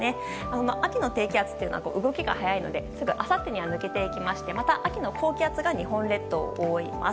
秋の低気圧は動きが速いのであさってには抜けていきましてまた秋の高気圧が日本列島を覆います。